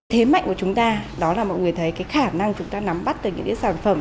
thế mạnh của chúng ta đó là mọi người thấy khả năng chúng ta nắm bắt từ những sản phẩm